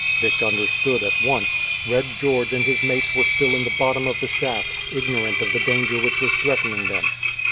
Dick understood at once. Red George and his mates were still in the bottom of the shaft, ignorant of the danger which was threatening them.